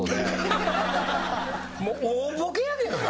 もう大ボケやけどな。